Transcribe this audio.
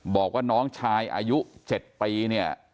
บอกว่าน้องชายอายุ๗ปีเนี่ย